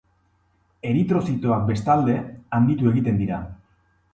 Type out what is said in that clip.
Eritrozitoak, bestalde, handitu egiten dira.